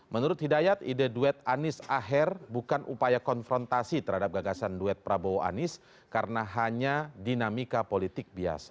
menurut hidayat ide duet anies akhir bukan upaya konfrontasi terhadap gagasan duet prabowo anies karena hanya dinamika politik biasa